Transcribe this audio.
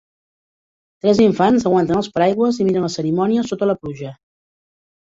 Tres infants aguanten els paraigües i miren la cerimònia sota la pluja.